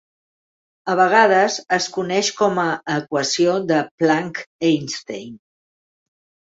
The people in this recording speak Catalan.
A vegades es coneix com a equació de Planck-Einstein.